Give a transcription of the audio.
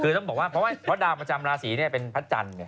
คือต้องบอกว่าเพราะดาวประจำราศีเป็นพระจันทร์ไง